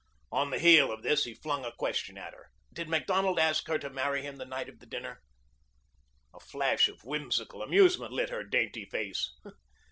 On the heel of this he flung a question at her. "Did Macdonald ask her to marry him the night of the dinner?" A flash of whimsical amusement lit her dainty face.